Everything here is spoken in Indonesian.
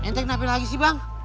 ente kenapa lagi sih bang